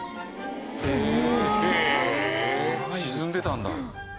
沈んでたんだ。